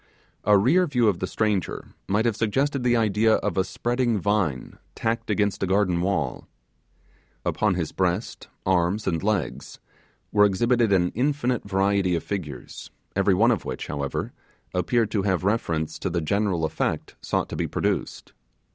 A rear view of the stranger might have suggested the idea of a spreading vine tacked against a garden wall. Upon his breast, arms and legs, were exhibited an infinite variety of figures; every one of which, however, appeared to have reference to the general effect sought to be produced.